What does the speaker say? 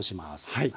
はい。